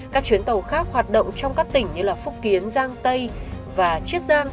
các chuyến tàu khác hoạt động trong các tỉnh như phúc kiến giang tây và chiết giang